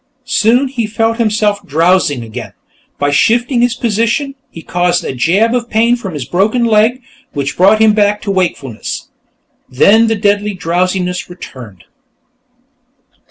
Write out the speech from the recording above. Soon he felt himself drowsing again. By shifting his position, he caused a jab of pain from his broken leg, which brought him back to wakefulness. Then the deadly drowsiness returned.